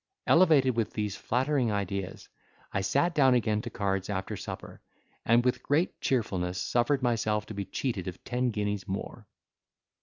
Elevated with these flattering ideas, I sat down again to cards after supper, and with great cheerfulness suffered myself to be cheated of ten guineas more.